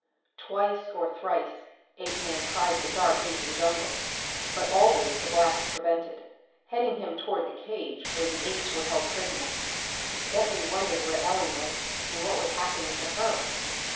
Twice or thrice Apeman tried to dart into the jungle, but always the blacks prevented, heading him toward the cage where the apes were held prisoners. Bentley wondered where Ellen was and what was happening to her.